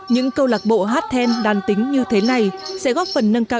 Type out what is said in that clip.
những câu lạc bộ hát then đàn tính như thế này sẽ góp phần nâng cao